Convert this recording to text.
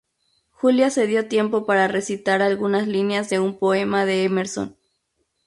Julia se dio tiempo para recitar algunas líneas de un poema de Emerson.